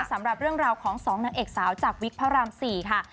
สำหรับเรื่องราวของ๒นางเอกสาวจากวิกพระราม๔ค่ะ